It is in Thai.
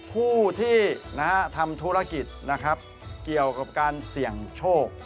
ผู้ที่ทำธุรกิจนะครับเกี่ยวกับการเสี่ยงโชค